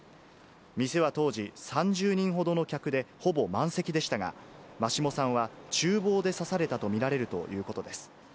店は当時、３０人ほどの客で、ほぼ満席でしたが、眞下さんはちゅう房で刺されたと見られるということです。